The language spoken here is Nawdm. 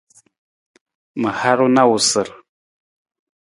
Ma haru na awusar.